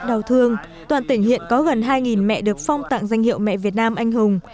đau thương toàn tỉnh hiện có gần hai mẹ được phong tặng danh hiệu mẹ việt nam anh hùng